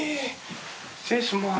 失礼します。